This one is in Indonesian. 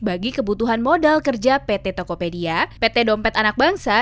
bagi kebutuhan modal kerja pt tokopedia pt dompet anak bangsa